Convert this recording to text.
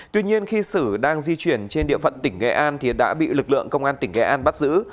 tuy nhiên khi sử đang di chuyển trên địa phận tỉnh nghệ an thì đã bị lực lượng công an tỉnh nghệ an bắt giữ